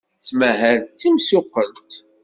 Tettmahal d timsuqqelt.